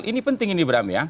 ini penting ini bram